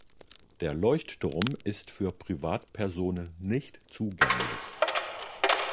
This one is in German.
Der Leuchtturm ist für Privatpersonen nicht zugänglich.